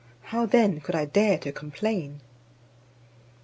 How then could I dare to complain?